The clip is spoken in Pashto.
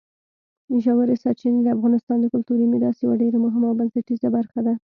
ژورې سرچینې د افغانستان د کلتوري میراث یوه ډېره مهمه او بنسټیزه برخه ده.